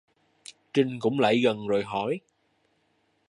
Trinh cũng lại gần rồi hỏi